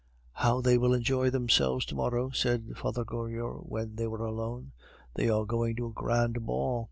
"How they will enjoy themselves to morrow," said Father Goriot when they were alone. "They are going to a grand ball."